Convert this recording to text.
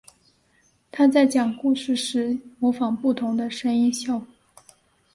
他在讲故事时模仿不同的声音效果。